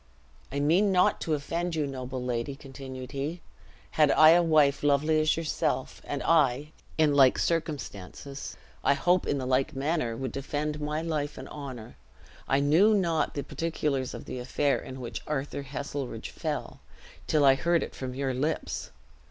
"I mean not to offend you, noble lady," continued he; "had I a wife lovely as yourself, and I in like circumstances, I hope in the like manner would defend my life and honor. I knew not the particulars of the affair in which Arthur Heselrigge fell, till I heard it from your lips.